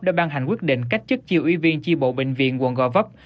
đã ban hành quyết định cách chức chiêu ủy viên chi bộ bệnh viện quận gò vấp